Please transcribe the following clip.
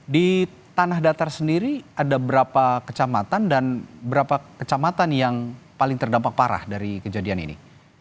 di tanah datar sendiri ada berapa kecamatan dan berapa kecamatan yang paling terdampak parah dari kejadian ini